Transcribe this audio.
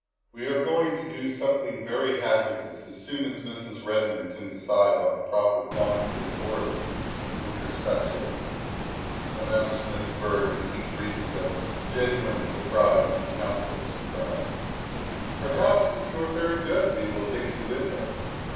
" We are going to do something very hazardous as THE SECRETARY OF STATE 141 soon as Mrs. Redmond can decide on the proper quan tity of orris in her sachet," announced Miss Byrd as he greeted them with genuine pleasure and counterfeit surprise; " perhaps, if you are very good, we will take you with us."